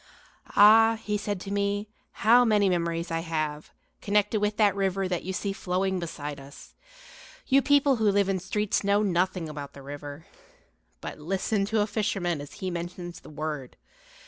Ah, he said to me, how many memories I have, connected with that river that you see flowing beside us! You people who live in streets know nothing about the river. But listen to a fisherman as he mentions the word.